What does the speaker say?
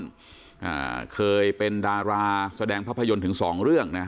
อ่าเคยเป็นดาราแสดงภาพยนตร์ถึงสองเรื่องนะ